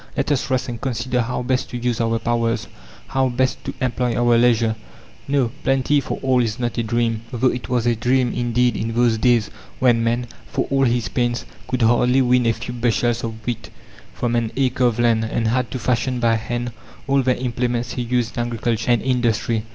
Let us rest and consider how best to use our powers, how best to employ our leisure." No, plenty for all is not a dream though it was a dream indeed in those days when man, for all his pains, could hardly win a few bushels of wheat from an acre of land, and had to fashion by hand all the implements he used in agriculture and industry.